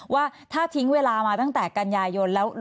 ว่าถ้าทิ้งเวลามาตั้งแต่กันยายนแล้ว